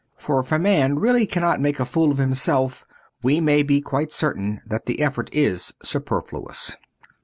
For if a man really cannot make a fool of him self, we may be quite certain that the effort is superfluous.